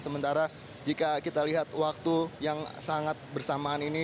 sementara jika kita lihat waktu yang sangat bersamaan ini